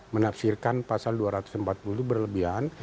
menafsirkan pasal dua ratus empat puluh itu berlebihan